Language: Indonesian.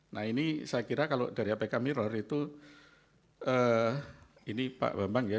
nah ini saya kira kalau dari apk mirror itu ini pak bambang ya